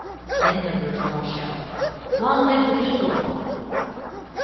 Then the bourgeois shouts: "Long live the people!"